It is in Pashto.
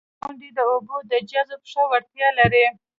• غونډۍ د اوبو د جذب ښه وړتیا لري.